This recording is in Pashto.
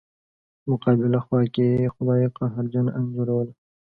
مقابله خوا کې خدای قهرجنه انځوروله.